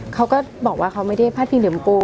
เขาก็บอกว่าเขาไม่ได้พัดพิงถึงปู